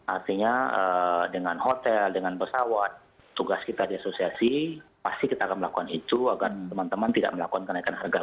artinya dengan hotel dengan pesawat tugas kita di asosiasi pasti kita akan melakukan itu agar teman teman tidak melakukan kenaikan harga